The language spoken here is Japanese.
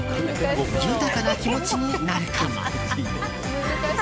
豊かな気持ちになるかも。